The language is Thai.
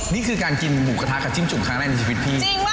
นี่คือการกินหมูกระทะกับจิ้มจุ่มครั้งแรกในชีวิตพี่